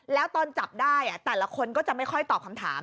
แล้วตอนจับได้แต่ละคนก็จะไม่ค่อยตอบคำถาม